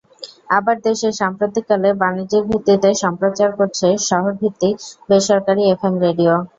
আবার দেশে সাম্প্রতিক কালে বাণিজ্যিক ভিত্তিতে সম্প্রচার করছে শহরভিত্তিক বেসরকারি এফএম রেডিও।